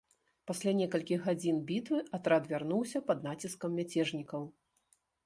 Пасля некалькіх гадзін бітвы атрад вярнуўся пад націскам мяцежнікаў.